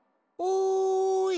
おい！